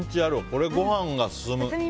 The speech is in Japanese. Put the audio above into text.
これ、ご飯が進む。